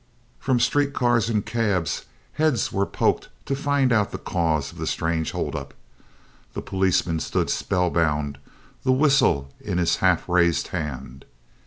From street cars and cabs heads were poked to find out the cause of the strange hold up. The policeman stood spellbound, the whistle in his half raised hand.